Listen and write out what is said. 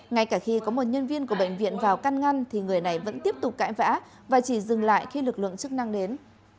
ngay cả khi có một nhân viên của bệnh viện vào căn ngăn thì người này vẫn tiếp tục cãi vã và chỉ dừng lại khi lực lượng chức năng đến